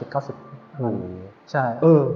เกือบ๘๐๙๐ปี